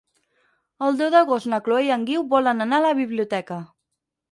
El deu d'agost na Chloé i en Guiu volen anar a la biblioteca.